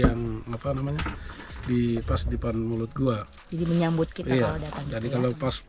yang apa namanya di pas depan mulut gua jadi menyambut kita kalau datang dari kalau pas